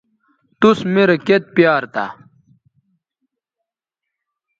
توس میرے کیئت پیار تھا